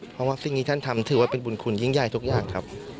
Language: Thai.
เพราะว่าสิ่งที่ท่านทำถือว่าเป็นบุญคุณยิ่งใหญ่ทุกอย่างครับ